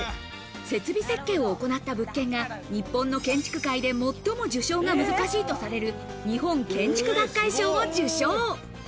設備設計を行った物件が日本の建築界で最も受賞が難しいとされる、日本建築学会賞を受賞。